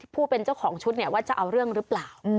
ผู้เป็นเจ้าของชุดเนี่ยว่าจะเอาเรื่องหรือเปล่า